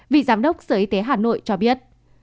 vị giám đốc sở y tế hà nội cho biết